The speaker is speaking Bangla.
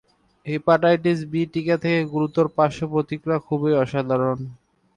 হেপাটাইটিস বি টিকা থেকে গুরুতর পার্শ্ব প্রতিক্রিয়া খুবই অসাধারণ।